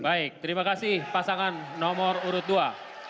baik terima kasih pasangan nomor urut dua